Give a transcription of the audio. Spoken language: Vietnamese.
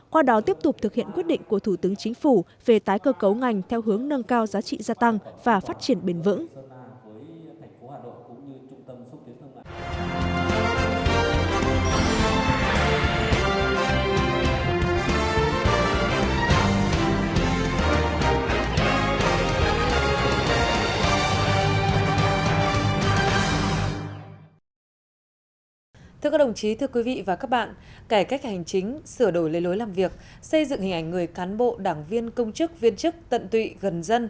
qua đó tiếp tục thực hiện quyết định của thủ tướng chính phủ về tái cơ cấu ngành theo hướng nâng cao giá trị gia tăng và phát triển bền vững